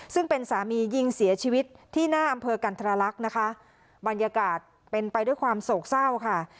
ซึ่งเป็นสามียิงเสียชีวิตที่หน้าอำเภอกันทรลักษณ์นะคะบรรยากาศเป็นไปด้วยความโศกเศร้าค่ะ